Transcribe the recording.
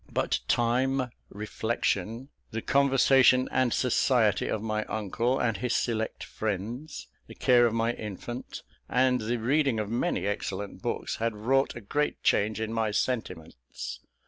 But time, reflection, the conversation and society of my uncle and his select friends, the care of my infant, and the reading of many excellent books had wrought a great change in my sentiments.